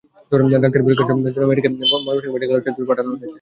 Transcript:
ডাক্তারি পরীক্ষার জন্য মেয়েটিকে গতকাল ময়মনসিংহ মেডিকেল কলেজ হাসপাতালে পাঠানো হয়েছে।